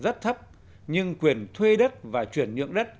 giá trị sổ sách tài sản trên đất thấp nhưng quyền thuê đất và chuyển nhượng đất